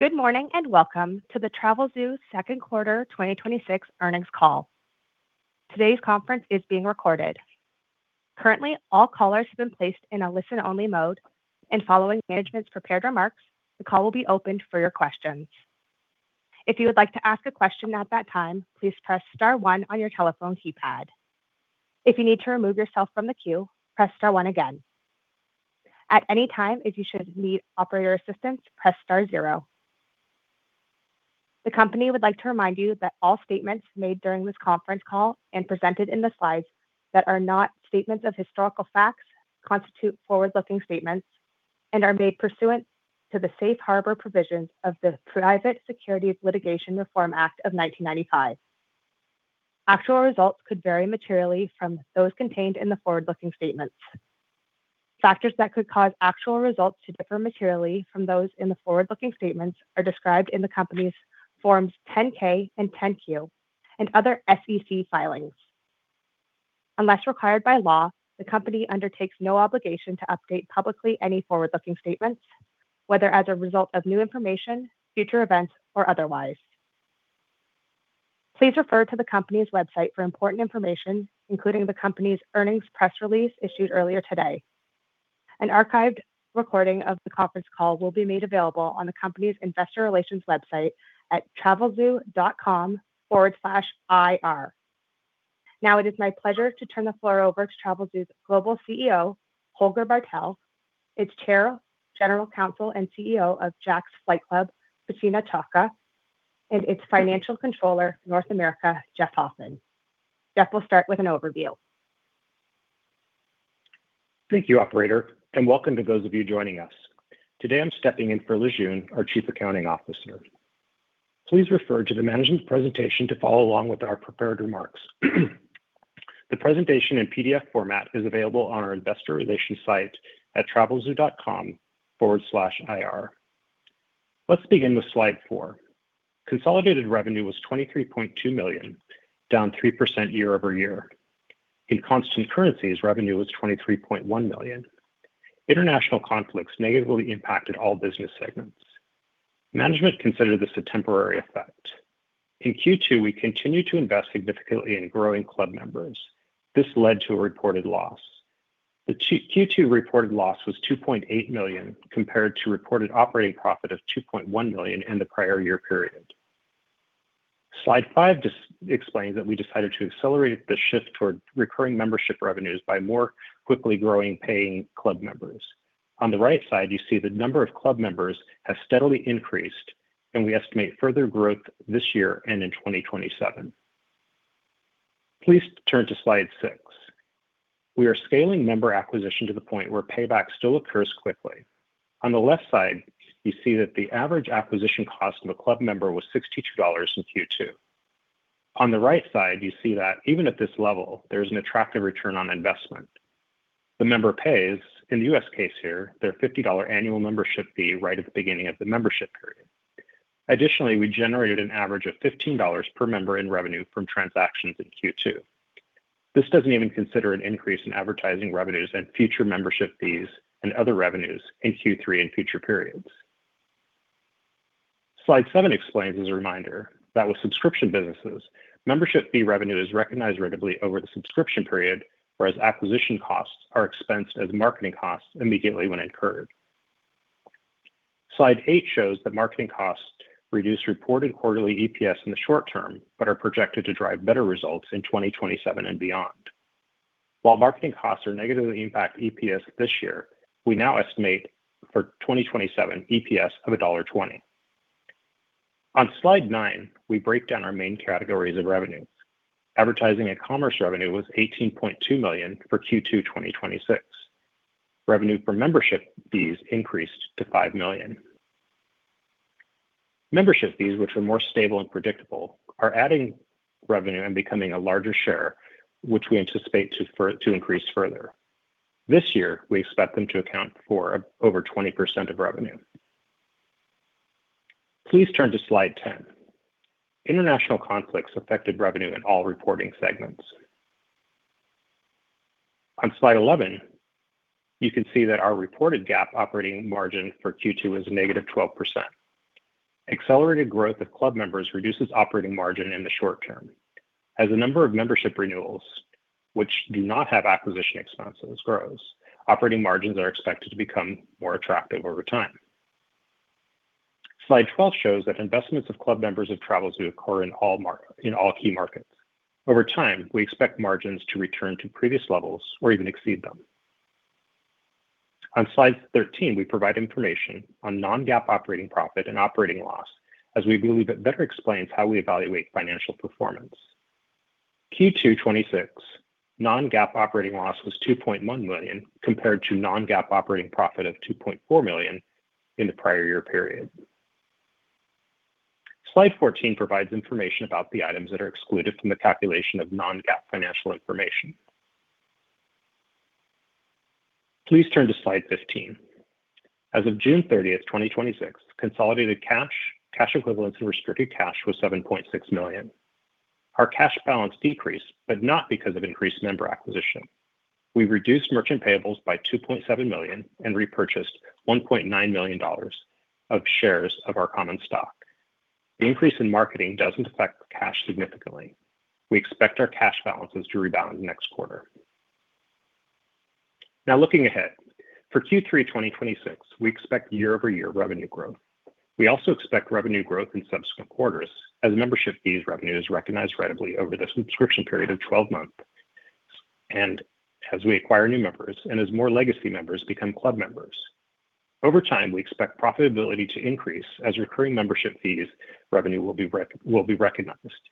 Good morning. Welcome to the Travelzoo Second Quarter 2026 Earnings Call. Today's conference is being recorded. Currently, all callers have been placed in a listen-only mode. Following management's prepared remarks, the call will be opened for your questions. If you would like to ask a question at that time, please press star one on your telephone keypad. If you need to remove yourself from the queue, press star one again. At any time, if you should need operator assistance, press star zero. The company would like to remind you that all statements made during this conference call and presented in the slides that are not statements of historical facts constitute forward-looking statements and are made pursuant to the safe harbor provisions of the Private Securities Litigation Reform Act of 1995. Actual results could vary materially from those contained in the forward-looking statements. Factors that could cause actual results to differ materially from those in the forward-looking statements are described in the company's Forms 10-K and 10-Q and other SEC filings. Unless required by law, the company undertakes no obligation to update publicly any forward-looking statements, whether as a result of new information, future events, or otherwise. Please refer to the company's website for important information, including the company's earnings press release issued earlier today. An archived recording of the conference call will be made available on the company's investor relations website at travelzoo.com/ir. It is my pleasure to turn the floor over to Travelzoo's Global Chief Executive Officer, Holger Bartel, its Chair, General Counsel, and Chief Executive Officer of Jack's Flight Club, Christina Ciocca, and its Financial Controller, North America, Jeff Hoffman. Jeff will start with an overview. Thank you, Operator. Welcome to those of you joining us. Today, I'm stepping in for Lijun, our Chief Accounting Officer. Please refer to the management presentation to follow along with our prepared remarks. The presentation in PDF format is available on our investor relations site at travelzoo.com/ir. Let's begin with slide four. Consolidated revenue was $23.2 million, down 3% year-over-year. In constant currencies, revenue was $23.1 million. International conflicts negatively impacted all business segments. Management considered this a temporary effect. In Q2, we continued to invest significantly in growing club members. This led to a reported loss. The Q2 reported loss was $2.8 million compared to reported operating profit of $2.1 million in the prior year period. Slide five explains that we decided to accelerate the shift toward recurring membership revenues by more quickly growing paying club members. On the right side, you see the number of club members has steadily increased. We estimate further growth this year and in 2027. Please turn to slide six. We are scaling member acquisition to the point where payback still occurs quickly. On the left side, you see that the average acquisition cost of a club member was $62 in Q2. On the right side, you see that even at this level, there's an attractive ROI. The member pays, in the U.S. case here, their $50 annual membership fee right at the beginning of the membership period. Additionally, we generated an average of $15 per member in revenue from transactions in Q2. This doesn't even consider an increase in advertising revenues and future membership fees and other revenues in Q3 and future periods. Slide seven explains as a reminder that with subscription businesses, membership fee revenue is recognized ratably over the subscription period, whereas acquisition costs are expensed as marketing costs immediately when incurred. Slide eight shows that marketing costs reduce reported quarterly EPS in the short term, but are projected to drive better results in 2027 and beyond. While marketing costs negatively impact EPS this year, we now estimate for 2027 EPS of $1.20. On slide nine, we break down our main categories of revenue. Advertising and commerce revenue was $18.2 million for Q2 2026. Revenue for membership fees increased to $5 million. Membership fees, which are more stable and predictable, are adding revenue and becoming a larger share, which we anticipate to increase further. This year, we expect them to account for over 20% of revenue. Please turn to slide 10. International conflicts affected revenue in all reporting segments. On slide 11, you can see that our reported GAAP operating margin for Q2 is negative 12%. Accelerated growth of club members reduces operating margin in the short term. As the number of membership renewals, which do not have acquisition expenses, grows, operating margins are expected to become more attractive over time. Slide 12 shows that investments of club members of Travelzoo occur in all key markets. Over time, we expect margins to return to previous levels or even exceed them. On slide 13, we provide information on non-GAAP operating profit and operating loss, as we believe it better explains how we evaluate financial performance. Q2 2026 non-GAAP operating loss was $2.1 million compared to non-GAAP operating profit of $2.4 million in the prior year period. Slide 14 provides information about the items that are excluded from the calculation of non-GAAP financial information. Please turn to slide 15. As of June 30, 2026, consolidated cash equivalents, and restricted cash was $7.6 million. Our cash balance decreased, but not because of increased member acquisition. We reduced merchant payables by $2.7 million and repurchased $1.9 million of shares of our common stock. The increase in marketing doesn't affect cash significantly. We expect our cash balances to rebound next quarter. Looking ahead, for Q3 2026, we expect year-over-year revenue growth. We also expect revenue growth in subsequent quarters as membership fees revenue is recognized ratably over the subscription period of 12 months, and as we acquire new members, and as more legacy members become club members. Over time, we expect profitability to increase as recurring membership fees revenue will be recognized.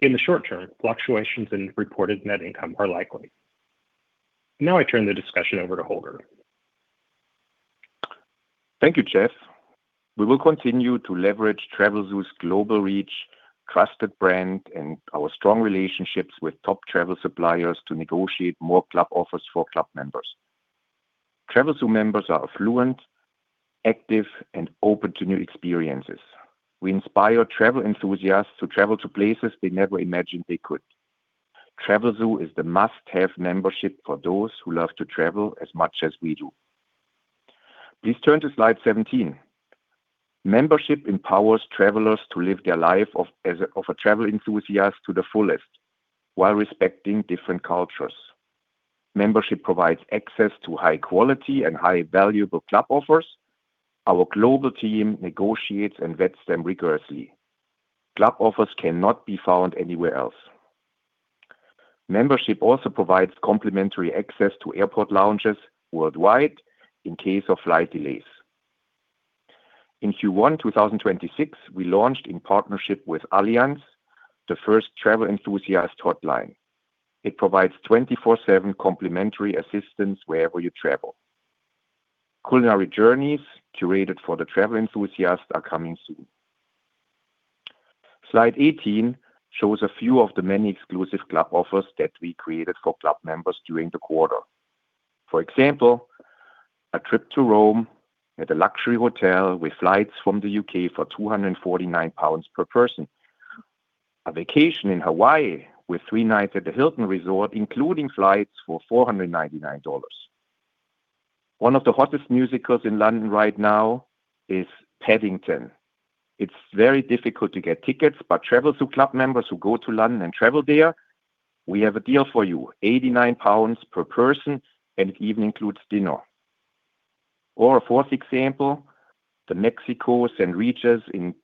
In the short term, fluctuations in reported net income are likely. I turn the discussion over to Holger. Thank you, Jeff. We will continue to leverage Travelzoo's global reach, trusted brand, and our strong relationships with top travel suppliers to negotiate more club offers for club members. Travelzoo members are affluent, active, and open to new experiences. We inspire travel enthusiasts to travel to places they never imagined they could. Travelzoo is the must-have membership for those who love to travel as much as we do. Please turn to slide 17. Membership empowers travelers to live their life of a travel enthusiast to the fullest while respecting different cultures. Membership provides access to high quality and high valuable club offers. Our global team negotiates and vets them rigorously. Club offers cannot be found anywhere else. Membership also provides complimentary access to airport lounges worldwide in case of flight delays. In Q1 2026, we launched in partnership with Allianz, the first travel enthusiast hotline. It provides 24/7 complimentary assistance wherever you travel. Culinary journeys curated for the travel enthusiast are coming soon. Slide 18 shows a few of the many exclusive club offers that we created for club members during the quarter. For example, a trip to Rome at a luxury hotel with flights from the U.K. for 249 pounds per person. A vacation in Hawaii with three nights at the Hilton Resort, including flights for $499. One of the hottest musicals in London right now is Paddington. It's very difficult to get tickets, but Travelzoo club members who go to London and travel there, we have a deal for you, 89 pounds per person, and it even includes dinner. A fourth example, the Mexico St. Regis in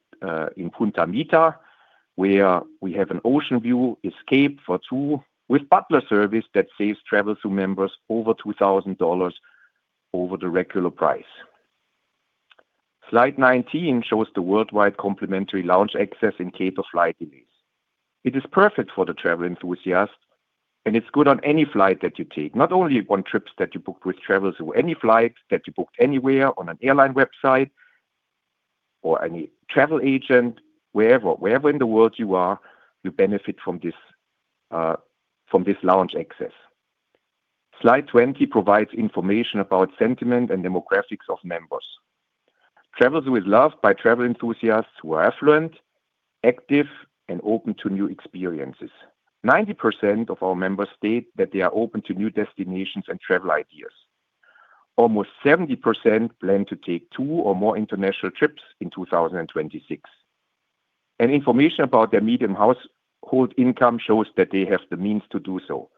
Punta Mita, where we have an ocean view escape for two with butler service that saves Travelzoo members over $2,000 over the regular price. Slide 19 shows the worldwide complimentary lounge access in case of flight delays. It is perfect for the travel enthusiast, and it's good on any flight that you take. Not only on trips that you book with Travelzoo, any flights that you booked anywhere on an airline website or any travel agent, wherever in the world you are, you benefit from this lounge access. Slide 20 provides information about sentiment and demographics of members. Travelzoo is loved by travel enthusiasts who are affluent, active, and open to new experiences. 90% of our members state that they are open to new destinations and travel ideas. Almost 70% plan to take two or more international trips in 2026. Information about their medium household income shows that they have the means to do so,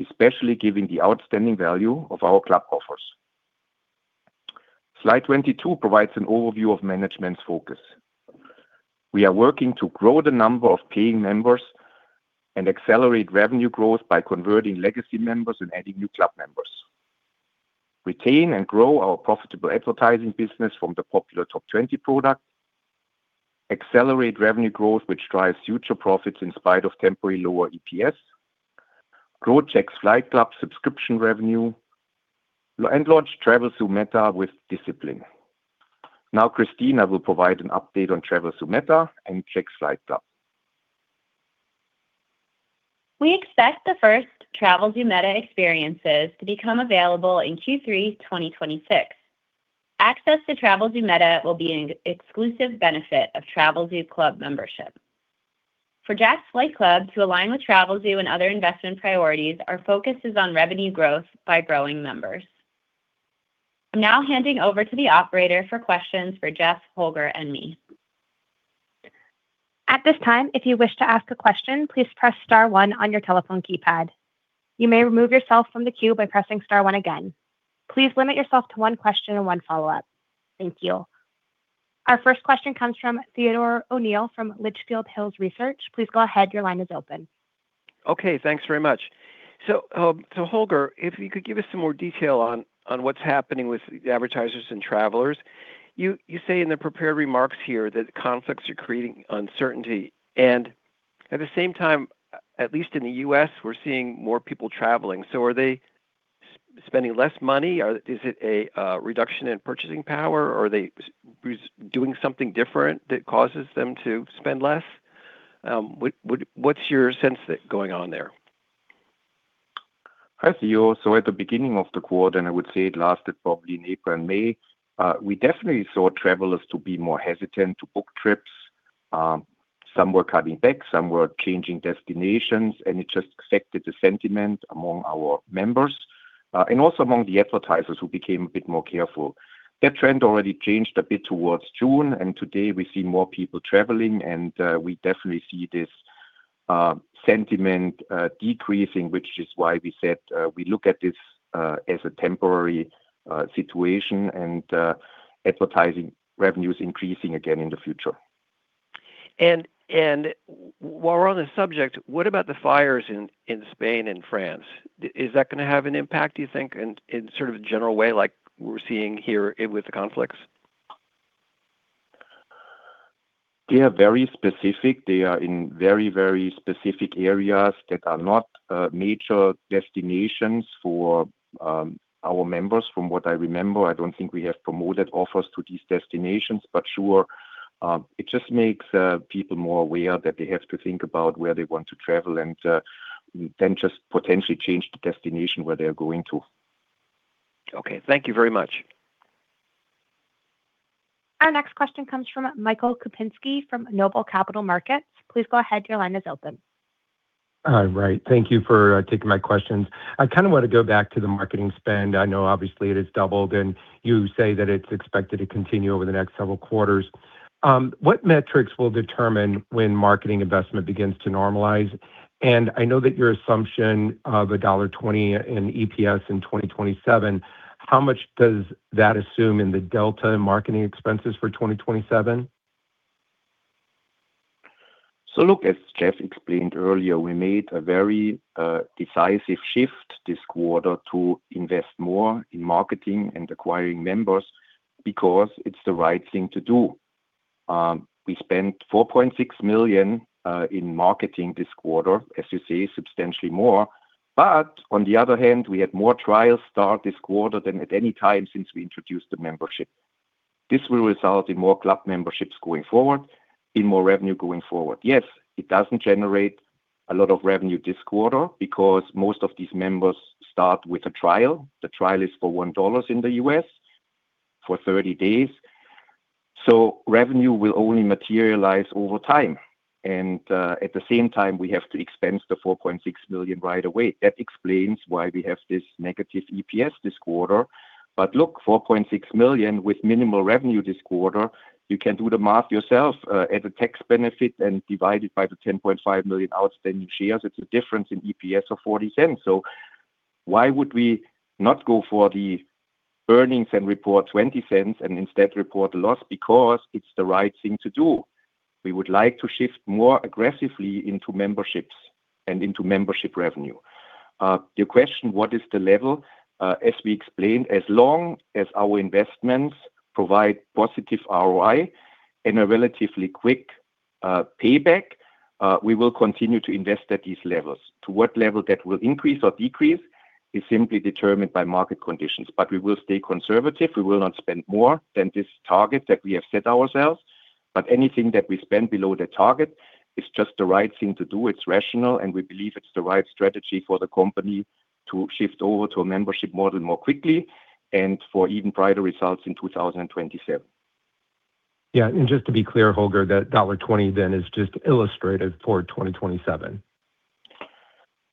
especially given the outstanding value of our club offers. Slide 22 provides an overview of management's focus. We are working to grow the number of paying members and accelerate revenue growth by converting legacy members and adding new club members. Retain and grow our profitable advertising business from the popular Top 20 products. Accelerate revenue growth, which drives future profits in spite of temporary lower EPS. Grow Jack's Flight Club subscription revenue. Launch Travelzoo META with discipline. Now, Christina will provide an update on Travelzoo META and Jack's Flight Club. We expect the first Travelzoo META experiences to become available in Q3 2026. Access to Travelzoo META will be an exclusive benefit of Travelzoo club membership. For Jack's Flight Club to align with Travelzoo and other investment priorities, our focus is on revenue growth by growing members. I'm now handing over to the operator for questions for Jeff, Holger, and me. At this time, if you wish to ask a question, please press star one on your telephone keypad. You may remove yourself from the queue by pressing star one again. Please limit yourself to one question and one follow-up. Thank you. Our first question comes from Theodore O'Neill from Litchfield Hills Research. Please go ahead. Your line is open. Thanks very much. Holger, if you could give us some more detail on what's happening with advertisers and travelers. You say in the prepared remarks here that conflicts are creating uncertainty, and at the same time, at least in the U.S., we're seeing more people traveling. Are they spending less money? Is it a reduction in purchasing power? Are they doing something different that causes them to spend less? What's your sense going on there? I see you. At the beginning of the quarter, and I would say it lasted probably April and May, we definitely saw travelers to be more hesitant to book trips. Some were cutting back, some were changing destinations, and it just affected the sentiment among our members, and also among the advertisers, who became a bit more careful. That trend already changed a bit towards June, and today we see more people traveling, and we definitely see this sentiment decreasing, which is why we said we look at this as a temporary situation, and advertising revenue is increasing again in the future. While we're on the subject, what about the fires in Spain and France? Is that going to have an impact, do you think, in sort of a general way, like we're seeing here with the conflicts? They are very specific. They are in very specific areas that are not major destinations for our members, from what I remember. I don't think we have promoted offers to these destinations. Sure, it just makes people more aware that they have to think about where they want to travel and then just potentially change the destination where they're going to. Okay. Thank you very much. Our next question comes from Michael Kupinski from Noble Capital Markets. Please go ahead. Your line is open. Thank you for taking my questions. I want to go back to the marketing spend. I know obviously it has doubled, and you say that it's expected to continue over the next several quarters. What metrics will determine when marketing investment begins to normalize? I know that your assumption of $1.20 in EPS in 2027, how much does that assume in the delta marketing expenses for 2027? Look, as Jeff explained earlier, we made a very decisive shift this quarter to invest more in marketing and acquiring members because it's the right thing to do. We spent $4.6 million in marketing this quarter, as you see, substantially more. On the other hand, we had more trials start this quarter than at any time since we introduced the membership. This will result in more club memberships going forward, in more revenue going forward. Yes, it doesn't generate a lot of revenue this quarter because most of these members start with a trial. The trial is for $1 in the U.S. for 30 days. Revenue will only materialize over time. At the same time, we have to expense the $4.6 million right away. That explains why we have this negative EPS this quarter. Look, $4.6 million with minimal revenue this quarter, you can do the math yourself. Add the tax benefit and divide it by the 10.5 million outstanding shares. It's a difference in EPS of $0.40. Why would we not go for the earnings and report $0.20 and instead report a loss? Because it's the right thing to do. We would like to shift more aggressively into memberships and into membership revenue. Your question, what is the level? As we explained, as long as our investments provide positive ROI and a relatively quick payback, we will continue to invest at these levels. To what level that will increase or decrease is simply determined by market conditions. We will stay conservative. We will not spend more than this target that we have set ourselves. Anything that we spend below the target is just the right thing to do. It's rational, and we believe it's the right strategy for the company to shift over to a membership model more quickly and for even brighter results in 2027. Yeah. Just to be clear, Holger, that $1.20 is just illustrative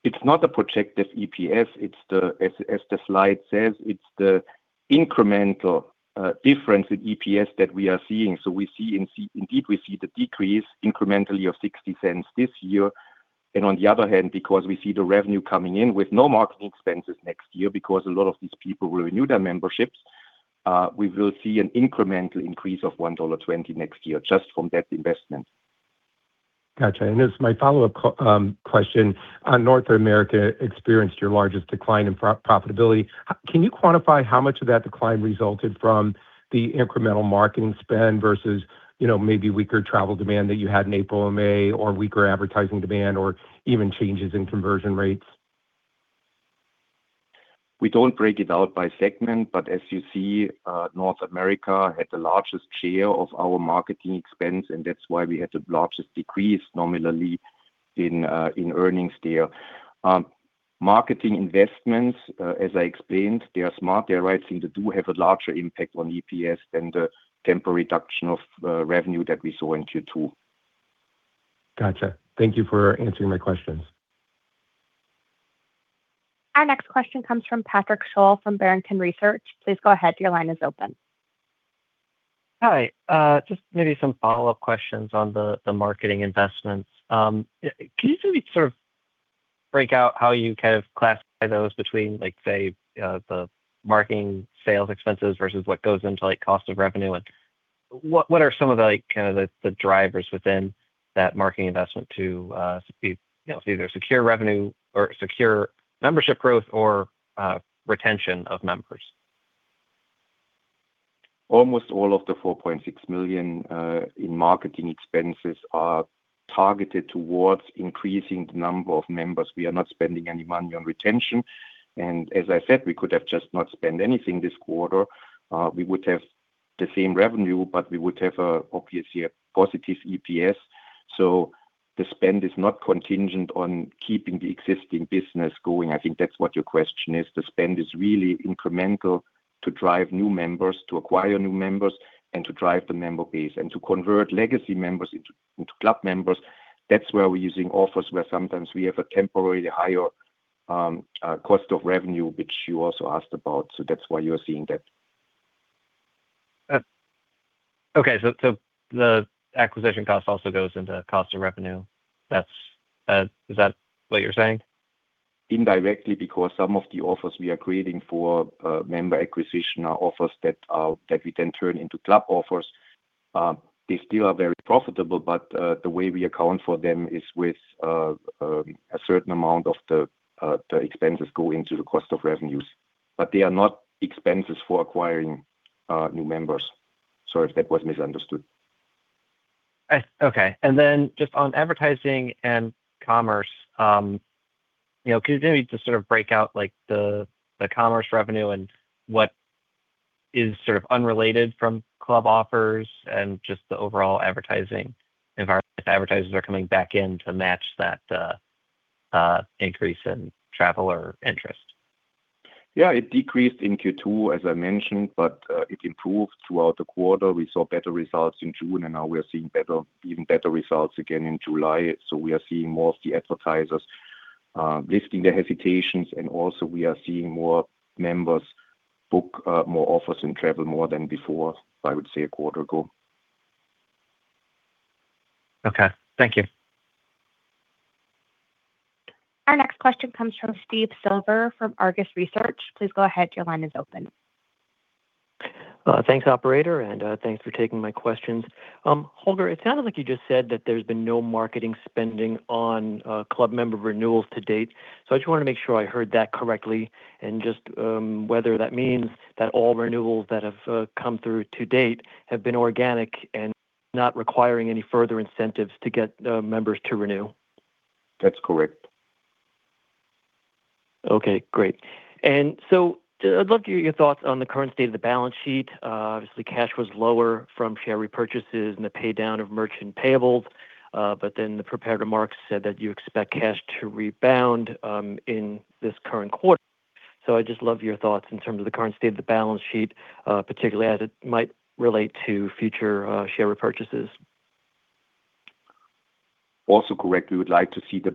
for 2027. It's not a projected EPS. As the slide says, it's the incremental difference in EPS that we are seeing. Indeed, we see the decrease incrementally of $0.60 this year. On the other hand, because we see the revenue coming in with no marketing expenses next year, because a lot of these people will renew their memberships, we will see an incremental increase of $1.20 next year just from that investment. Got you. As my follow-up question, North America experienced your largest decline in profitability. Can you quantify how much of that decline resulted from the incremental marketing spend versus maybe weaker travel demand that you had in April and May, or weaker advertising demand, or even changes in conversion rates? We don't break it out by segment, as you see, North America had the largest share of our marketing expense, that's why we had the largest decrease nominally in earnings there. Marketing investments, as I explained, they are smart. They are right, they do have a larger impact on EPS than the temporary reduction of revenue that we saw in Q2. Got you. Thank you for answering my questions. Our next question comes from Patrick Sholl from Barrington Research. Please go ahead. Your line is open. Hi. Just maybe some follow-up questions on the marketing investments. Can you just sort of break out how you classify those between, say, the marketing sales expenses versus what goes into cost of revenue? What are some of the drivers within that marketing investment to either secure revenue or secure membership growth or retention of members? Almost all of the $4.6 million in marketing expenses are targeted towards increasing the number of members. We are not spending any money on retention. As I said, we could have just not spent anything this quarter. We would have the same revenue, we would have obviously a positive EPS. The spend is not contingent on keeping the existing business going. I think that's what your question is. The spend is really incremental to drive new members, to acquire new members, and to drive the member base, and to convert legacy members into club members. That's where we're using offers where sometimes we have a temporarily higher cost of revenue, which you also asked about. That's why you're seeing that. Okay. The acquisition cost also goes into cost of revenue. Is that what you're saying? Indirectly, because some of the offers we are creating for member acquisition are offers that we then turn into club offers. They still are very profitable, but the way we account for them is with a certain amount of the expenses go into the cost of revenues. They are not expenses for acquiring new members. Sorry if that was misunderstood. Okay. Just on advertising and commerce, could you maybe just sort of break out the commerce revenue and what is sort of unrelated from club offers and just the overall advertising environment if advertisers are coming back in to match that increase in travel or interest? Yeah. It decreased in Q2, as I mentioned, but it improved throughout the quarter. We saw better results in June, and now we are seeing even better results again in July. We are seeing more of the advertisers lifting their hesitations, and also we are seeing more members book more offers and travel more than before, I would say a quarter ago. Okay. Thank you. Our next question comes from Steve Silver from Argus Research. Please go ahead, your line is open. Thanks, Operator, thanks for taking my questions. Holger, it sounded like you just said that there's been no marketing spending on club member renewals to date, so I just wanted to make sure I heard that correctly and just whether that means that all renewals that have come through to date have been organic and not requiring any further incentives to get members to renew. That's correct. Okay, great. I'd love to hear your thoughts on the current state of the balance sheet. Obviously, cash was lower from share repurchases and the pay-down of merchant payables. The prepared remarks said that you expect cash to rebound in this current quarter. I'd just love your thoughts in terms of the current state of the balance sheet, particularly as it might relate to future share repurchases. Also correct. We would like to see the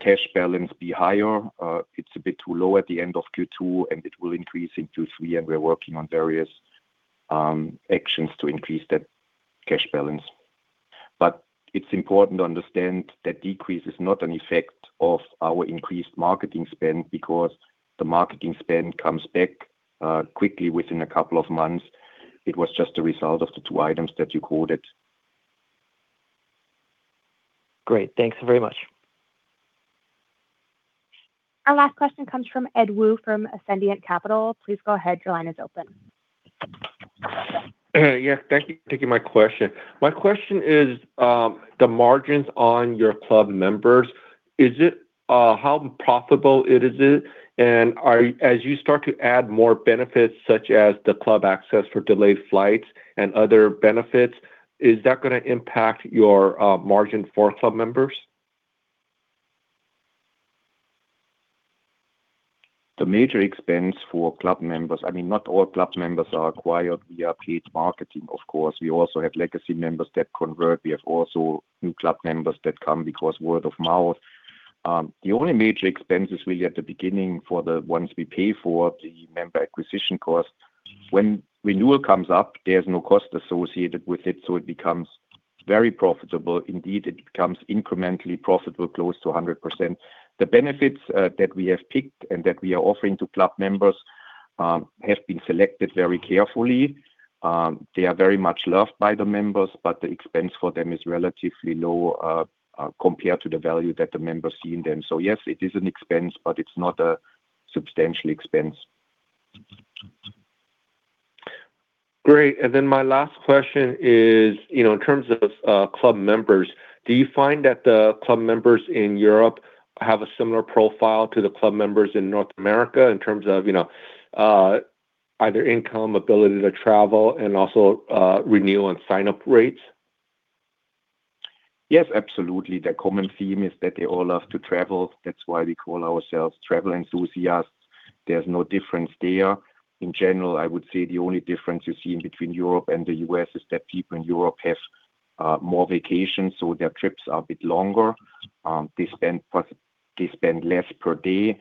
cash balance be higher. It's a bit too low at the end of Q2, and it will increase in Q3, and we're working on various actions to increase that cash balance. It's important to understand that decrease is not an effect of our increased marketing spend because the marketing spend comes back quickly within a couple of months. It was just a result of the two items that you quoted. Great. Thanks very much. Our last question comes from Ed Woo from Ascendiant Capital. Please go ahead, your line is open. Yes. Thank you for taking my question. My question is, the margins on your club members, how profitable is it? As you start to add more benefits such as the club access for delayed flights and other benefits, is that going to impact your margin for club members? Not all club members are acquired via paid marketing, of course. We also have legacy members that convert. We have also new club members that come because word of mouth. The only major expense is really at the beginning for the ones we pay for, the member acquisition cost. When renewal comes up, there's no cost associated with it, so it becomes very profitable. Indeed, it becomes incrementally profitable, close to 100%. The benefits that we have picked and that we are offering to club members have been selected very carefully. They are very much loved by the members, but the expense for them is relatively low compared to the value that the members see in them. Yes, it is an expense, but it's not a substantial expense. Great. My last question is, in terms of club members, do you find that the club members in Europe have a similar profile to the club members in North America in terms of either income, ability to travel, and also renewal and sign-up rates? Yes, absolutely. The common theme is that they all love to travel. That's why we call ourselves travel enthusiasts. There's no difference there. In general, I would say the only difference you see between Europe and the U.S. is that people in Europe have more vacations, so their trips are a bit longer. They spend less per day.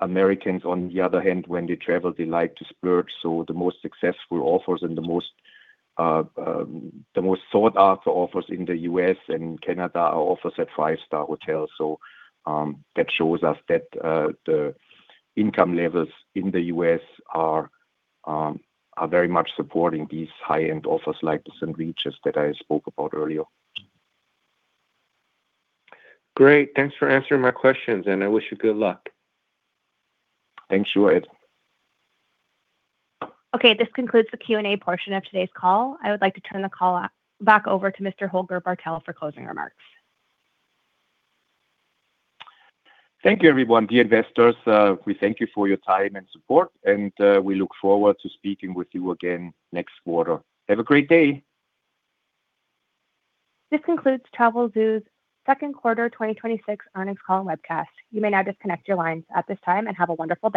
Americans, on the other hand, when they travel, they like to splurge. The most successful offers and the most sought-after offers in the U.S. and Canada are offers at five-star hotels. That shows us that the income levels in the U.S. are very much supporting these high-end offers like the St. Regis that I spoke about earlier. Great. Thanks for answering my questions, and I wish you good luck. Thanks, you Ed. Okay, this concludes the Q&A portion of today's call. I would like to turn the call back over to Mr. Holger Bartel for closing remarks. Thank you, everyone. Dear investors, we thank you for your time and support, and we look forward to speaking with you again next quarter. Have a great day. This concludes Travelzoo's second quarter 2026 earnings call webcast. You may now disconnect your lines at this time, have a wonderful day.